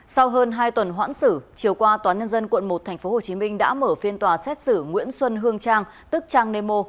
sau hơn hai tuần hoãn xử chiều qua tndq một tp hcm đã mở phiên tòa xét xử nguyễn xuân hương trang tức trang nemo